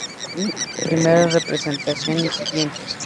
Primera representación y siguientes.